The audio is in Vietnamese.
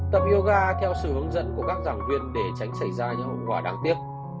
tập yoga theo sự hướng dẫn của các giảng viên để tránh xảy ra những hậu quả đáng tiếc